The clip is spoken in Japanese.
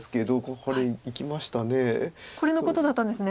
これのことだったんですね。